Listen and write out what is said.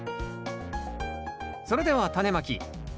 それではタネまき。